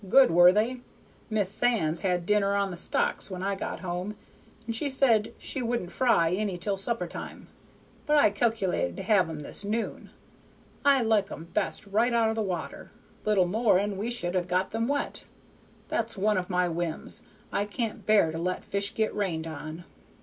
good, were they? Mis Sands had dinner on the stocks when I got home, and she said she wouldn't fry any 'til supper time; but I calc'lated to have 'em this noon. I like 'em best right out o' the water. Little more and we should have got them wet. That's one of my whims; I can't bear to let fish get rained on."